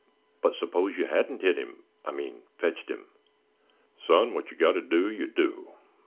"But suppose you hadn't hit him—I mean fetched him?" "Son, wot yer got to do, yer do.